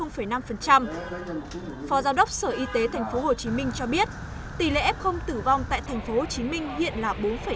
phó giáo đốc sở y tế tp hcm cho biết tỷ lệ f tử vong tại tp hcm hiện là bốn năm